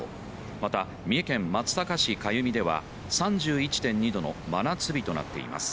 また、三重県松阪市では３１．２℃の真夏日となっています。